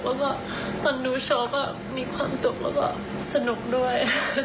แล้วก็ตอนดูโชว์ก็มีความสุขแล้วก็สนุกด้วย